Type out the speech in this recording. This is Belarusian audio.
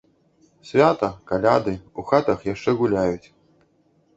Свята, каляды, у хатах яшчэ гуляюць.